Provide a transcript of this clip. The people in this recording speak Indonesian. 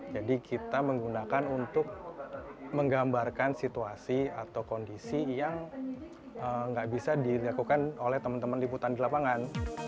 jadi kita menggunakan untuk menggambarkan situasi atau kondisi yang tidak bisa dilakukan oleh teman teman liputan di lapangan